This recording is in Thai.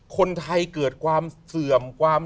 คนไทยเกิดความเสื่อมความ